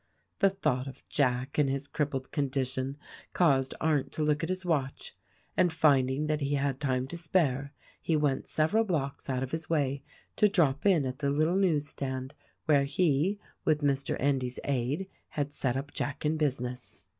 The thought of Jack and his crippled condition caused Arndt to look at his watch ; and finding that he had time to spare he went several blocks out of his way to drop in at the little news stand where he, with Mr. Endy's aid had set up Jack in business.